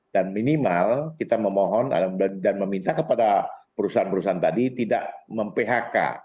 dan minimal kita memohon dan meminta kepada perusahaan perusahaan tadi tidak mem phk